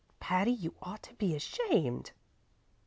Patty, you ought to be ashamed."